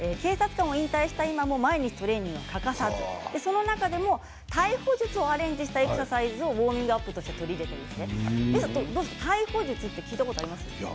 警察官を引退したあとも毎日トレーニングを欠かさずその中でも逮捕術をアレンジしたエクササイズをウォーミングアップとして取り入れています。